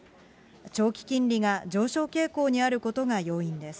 長期金利が上昇傾向にあることが要因です。